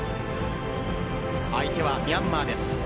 相手はミャンマーです。